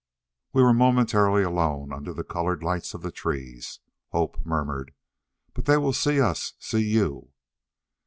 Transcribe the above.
We were momentarily alone under the colored lights of the trees. Hope murmured, "But they will see us see you...."